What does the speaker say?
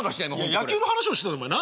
野球の話をしてたお前な。